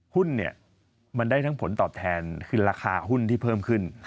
หุ้นเนี่ยมันได้ทั้งผลตอบแทนคือราคาหุ้นที่เพิ่มขึ้น